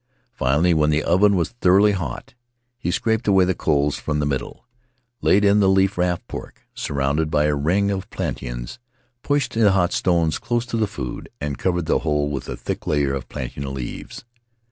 Finally, when the oven was thoroughly hot, he scraped away the coals from the middle, laid in the leaf wrapped pork, surrounded by a ring of plantains, pushed the hot stones close to the food, and covered the whole with a thick layer of plantain leaves.